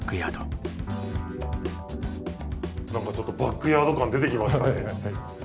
何かちょっとバックヤード感出てきましたね。